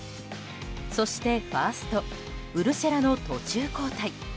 そしてファーストウルシェラの途中交代。